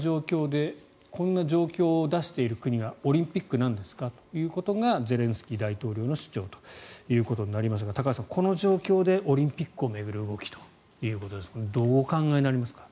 こんな状況を出している国がオリンピックなんですかということがゼレンスキー大統領の主張ということになりますが高橋さん、この状況でオリンピックを巡る動きということですがどうお考えになりますか？